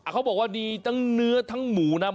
เขาบอกว่าดีทั้งเนื้อทั้งหมูนะ